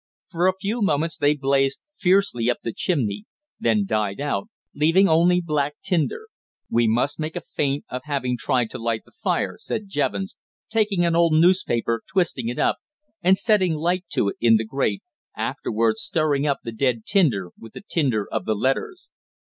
For a few moments they blazed fiercely up the chimney, then died out, leaving only black tinder. "We must make a feint of having tried to light the fire," said Jevons, taking an old newspaper, twisting it up, and setting light to it in the grate, afterwards stirring up the dead tinder with the tinder of the letters.